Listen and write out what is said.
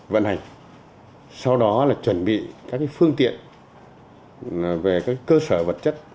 vận hành sau đó là chuẩn bị các phương tiện về cơ sở vật chất